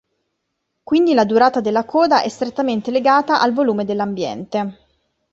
Quindi la durata della coda è strettamente legata al volume dell'ambiente.